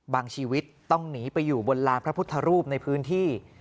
ชีวิตต้องหนีไปอยู่บนลานพระพุทธรูปในพื้นที่